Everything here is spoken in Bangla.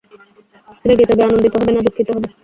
রেগে যাবে, আনন্দিত হবে, না দুঃখিত হবে।